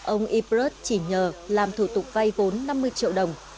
ông ypert chỉ nhờ làm thủ tục vay vốn năm mươi triệu đồng